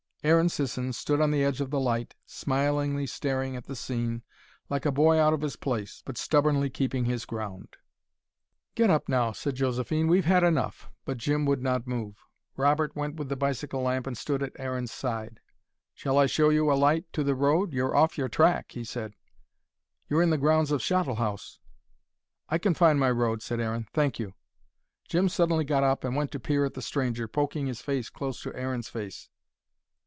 Aaron Sisson stood on the edge of the light, smilingly staring at the scene, like a boy out of his place, but stubbornly keeping his ground. "Get up now," said Josephine. "We've had enough." But Jim would not move. Robert went with the bicycle lamp and stood at Aaron's side. "Shall I show you a light to the road you're off your track," he said. "You're in the grounds of Shottle House." "I can find my road," said Aaron. "Thank you." Jim suddenly got up and went to peer at the stranger, poking his face close to Aaron's face.